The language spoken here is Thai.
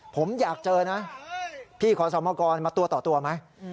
ผมอยากเจอธละกอสะมกรมาเตรียดตัวต่อตัวไหม